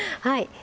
はい。